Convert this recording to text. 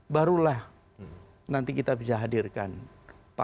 barulah nanti kita bisa hadirkan pasangan